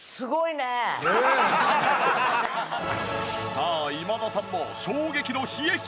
さあ今田さんも衝撃の冷えっ